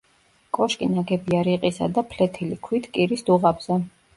კოშკი ნაგებია რიყისა და ფლეთილი ქვით კირის დუღაბზე.